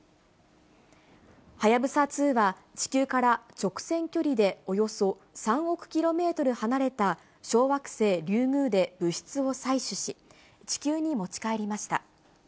はやぶさ２は、地球から直線距離でおよそ３億キロメートル離れた小惑星リュウグウで物質を採取し、地球に持ち帰りました。